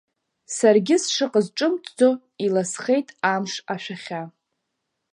Саргьы сшыҟаз ҿымҭӡо, иласхеит амш ашәахьа.